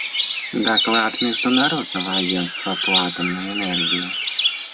Доклад Международного агентства по атомной энергии.